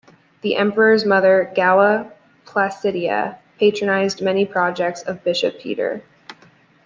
The Emperor's mother, Galla Placidia, patronized many projects of Bishop Peter.